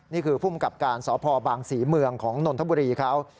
นี่คือผู้มกับการสภบางสีเมืองของนลธบุรีคราว